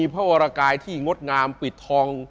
มีเผาอรกายที่งดงามปิดทอง